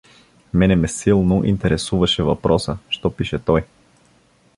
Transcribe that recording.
Мене ме силно интересуваше въпроса: що пише той.